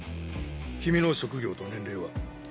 君の職業と年齢は？